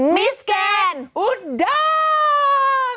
มิสแกนอุดอง